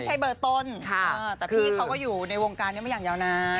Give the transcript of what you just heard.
ใช่เบอร์ต้นแต่พี่เขาก็อยู่ในวงการนี้มาอย่างยาวนาน